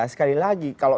sekali lagi ya